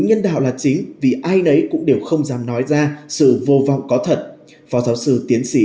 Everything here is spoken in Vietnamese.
bệnh và chính vì ai nấy cũng đều không dám nói ra sự vô vọng có thật phó giáo sư tiến sĩ